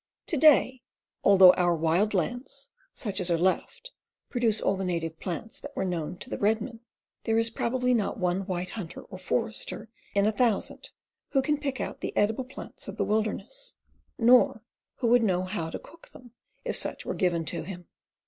To day, although our wild lands, such as are left, produce all the native plants that were known to the redmen, there is probably not one white hunter or forester in a thousand who can pick out the edible plants of the wilderness, nor who would know how to cook them if such were given to him.